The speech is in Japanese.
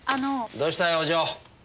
どうしたお嬢？